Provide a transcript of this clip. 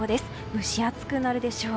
蒸し暑くなるでしょう。